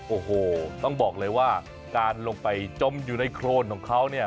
โอ้โหต้องบอกเลยว่าการลงไปจมอยู่ในโครนของเขาเนี่ย